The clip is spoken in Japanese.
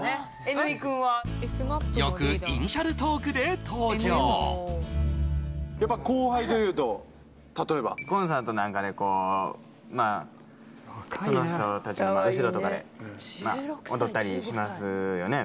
Ｎ居君はよくイニシャルトークで登場後輩というと例えばコンサートなんかでその人たちの後ろとかで踊ったりしますよね